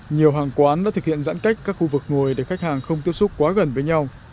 nhiều hàng quán đã thực hiện giãn cách các khu vực ngồi để khách hàng không tiếp xúc quá gần với nhau